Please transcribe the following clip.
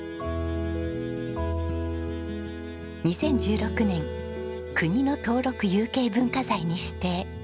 ２０１６年国の登録有形文化財に指定。